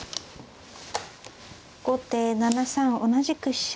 後手７三同じく飛車。